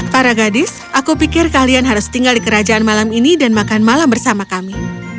para gadis aku pikir kalian harus tinggal di kerajaan malam ini dan makan malam bersama kami